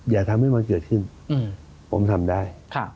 อย่าทำให้มันเกิดขึ้นผมทำได้